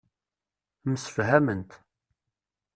Msefhament.